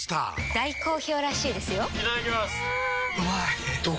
大好評らしいですよんうまい！